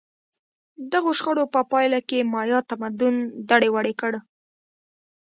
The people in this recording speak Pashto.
دغو شخړو په پایله کې مایا تمدن دړې وړې کړ